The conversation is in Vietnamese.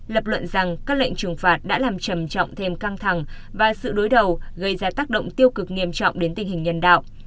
lập luận rằng các lệnh trừng phạt đã làm trầm trọng thêm căng thẳng và sự đối đầu gây ra tác động tiêu cực nghiêm trọng đến tình hình nhân đạo